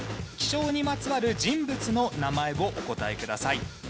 気象にまつわる人物の名前をお答えください。